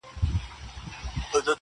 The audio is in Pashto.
ددې نړۍ وه ښايسته مخلوق ته,